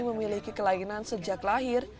memiliki kelainan sejak lahir